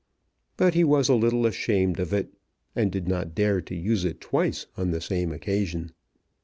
But he was a little ashamed of it, and did not dare to use it twice on the same occasion.